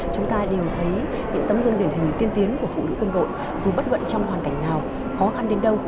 những tấm gương điển hình tiên tiến của phụ nữ quân đội dù bất ngận trong hoàn cảnh nào khó khăn đến đâu